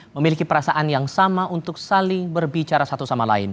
memiliki perasaan yang sama untuk saling berbicara satu sama lain